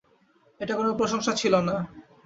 এটা কোনো প্রশংসা ছিল না।